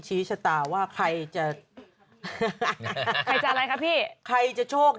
ชี้ชะตาว่าใครจะ